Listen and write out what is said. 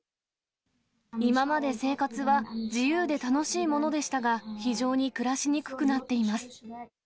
今まで生活は自由で楽しいものでしたが、非常に暮らしにくくなっています。